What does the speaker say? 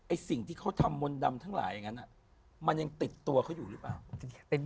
สิ่งที่เขาทำมนต์ดำทั้งหลายอย่างนั้นมันยังติดตัวเขาอยู่หรือเปล่า